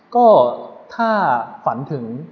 ก็ถ้าฝันถึง